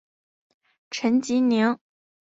陈吉宁。